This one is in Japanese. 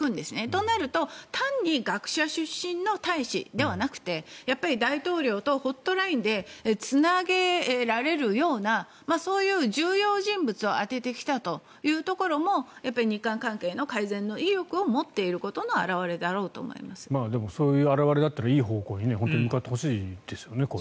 となると単に学者出身の大使ではなくて大統領とホットラインでつなげられるようなそういう重要人物を充ててきたというところも日韓関係の改善の意欲を持っていることのそういう表れだったら本当にいい方向に向かってほしいですよね。